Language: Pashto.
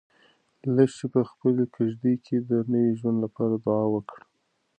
لښتې په خپلې کيږدۍ کې د نوي ژوند لپاره دعا وکړه.